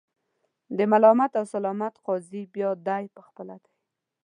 د ملامت او سلامت قاضي بیا دای په خپله دی.